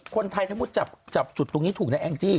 คนไทยถ้ามุติจับจุดตรงนี้ถูกนะแองจี้